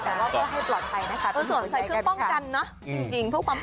แต่ก็ให้ปลอดภัยนะคะ